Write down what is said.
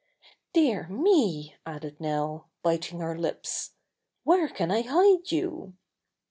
"Dear me," added Nell, biting her lips, "where can I hide you?"